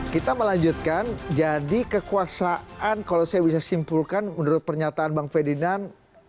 kita melanjutkan jadi kekuasaan kalau saya bisa simpulkan menurut pernyataan bang ferdinand